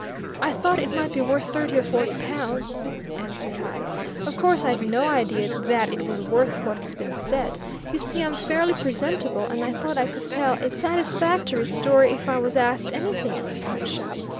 "I thought it might be worth thirty or forty pounds," answered Hyde. "Of course, I'd no idea that it was worth what's been said. You see, I'm fairly presentable, and I thought I could tell a satisfactory story if I was asked anything at the pawnshop.